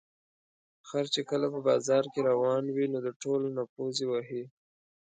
خر چې کله په بازار کې روان وي، نو د ټولو نه پوزې وهي.